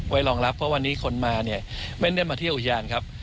รองรับเพราะวันนี้คนมาเนี่ยไม่ได้มาเที่ยวอุทยานครับ